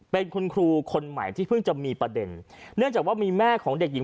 เป็นคุณครูคนใหม่ที่เพิ่งจะมีประเด็นเนื่องจากว่ามีแม่ของเด็กหญิง